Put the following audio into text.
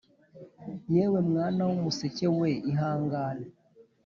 yewe mwana w umuseke we ihangane